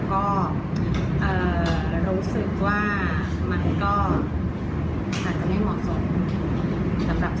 ก็รู้สึกว่ามันก็อาจจะไม่เหมาะสม